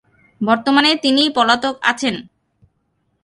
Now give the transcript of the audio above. বর্তমানে তিনি পলাতক আছেন।